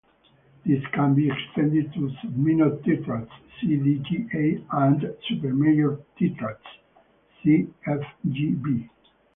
These can be extended to subminor tetrads, C-D-G-A and supermajor tetrads C-F-G-B.